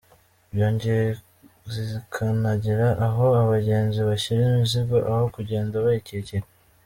Byongeye zikanagira aho abagenzi bashyira imizigo aho kugenda bayikikiye.